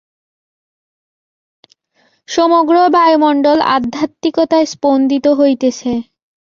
সমগ্র বায়ুমণ্ডল আধ্যাত্মিকতায় স্পন্দিত হইতেছে।